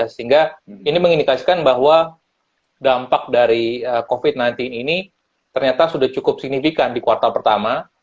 sehingga ini mengindikasikan bahwa dampak dari covid sembilan belas ini ternyata sudah cukup signifikan di kuartal pertama